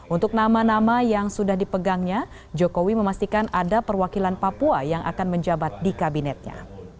untuk nama nama yang sudah dipegangnya jokowi memastikan ada perwakilan papua yang akan menjabat di kabinetnya